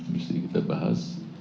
mesti kita bahas